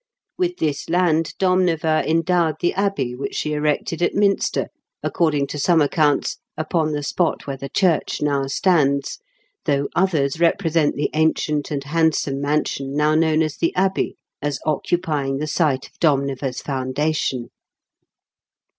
With this land Domneva en dowed the abbey which she erected at Minster — according to some accounts upon the spot where the church now stands, though others represent the ancient and handsome mansion now known as The Abbey as occupying the site of Domneva's foundation.